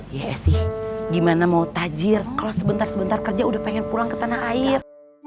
ya sih gimana mau tajir kalau sebentar sebentar kerja udah pengen pulang ke tanah air